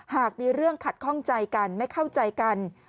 หากมีเรื่องขัดข้องใจกันไม่เข้าใจกัน